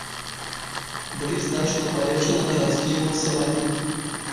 Былі значна палепшаны гарадскія ўмацаванні.